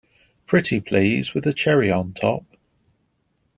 Pretty please with a cherry on top!